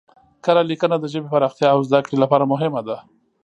کره لیکنه د ژبې پراختیا او زده کړې لپاره مهمه ده.